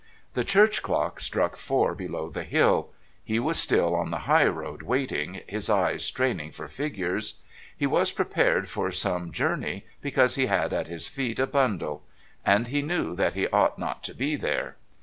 The church clock struck four below the hill; he was still on the high road waiting, his eyes straining for figures... He was prepared for some journey, because he had at his feet a bundle. And he knew that he ought not to be there.